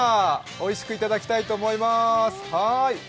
おいしくいただきたいと思います。